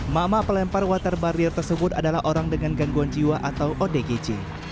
mak mak pelempar water barrier tersebut adalah orang dengan gangguan jiwa atau odgj